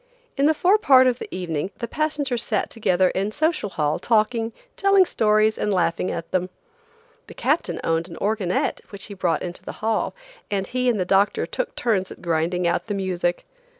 In the forepart of the evening the passengers sat together in Social Hall talking, telling stories and laughing at them. The captain owned an organette which he brought into the hall, and he and the doctor took turns at grinding out the music.